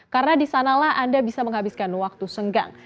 karena disanalah anda bisa menghabiskan waktu senggang